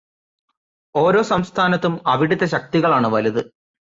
ഓരോ സംസ്ഥാനത്തും അവിടത്തെ ശക്തികളാണ് വലുത്.